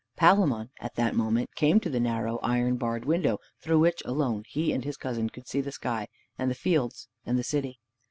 Palamon at that moment came to the narrow iron barred window through which alone he and his cousin could see the sky and the fields and the city.